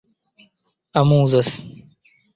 amuzas